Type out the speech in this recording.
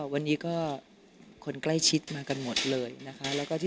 สิ่งที่ดูสิทธิ์ค่ะสำหรับพระอาทิตย์